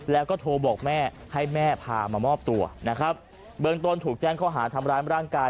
แล้วก็โทรบอกแม่ให้แม่พามามอบตัวนะครับเบื้องต้นถูกแจ้งข้อหาทำร้ายร่างกาย